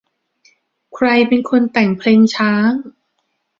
ใครเป็นแต่งเพลงช้าง